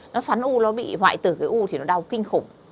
nó xoắn u nó bị hoại tử cái u thì nó đau kinh khủng